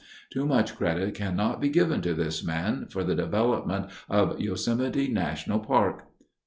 Too much credit can not be given to this man for the development of Yosemite National Park.